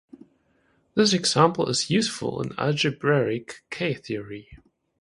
This example is useful in algebraic K-theory.